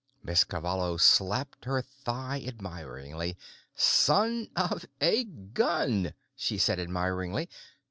Miss Cavallo slapped her thigh admiringly. "Son of a gun," she said admiringly.